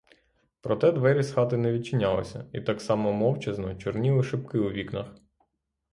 Проте двері з хати не відчинялися і так само мовчазно чорніли шибки у вікнах.